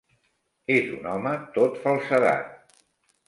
És un home tot falsedat.